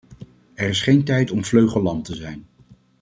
Er is geen tijd om vleugellam te zijn.